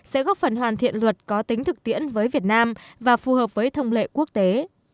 sẽ góp phần hoàn thiện luật có tính thực tiễn với việt nam và phù hợp với thông lệ quốc tế